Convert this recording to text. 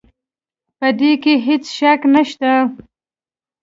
په دې کې هيڅ شک نشته